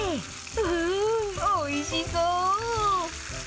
うーん、おいしそう。